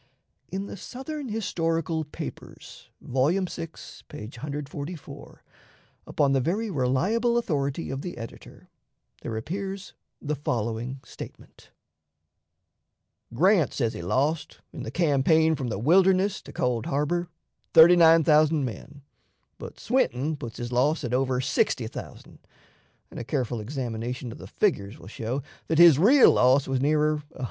In the "Southern Historical Papers," vol. vi, page 144, upon the very reliable authority of the editor, there appears the following statement: "Grant says he lost, in the campaign from the Wilderness to Cold Harbor, 39,000 men; but Swinton puts his loss at over 60,000, and a careful examination of the figures will show that his real loss was nearer 100,000.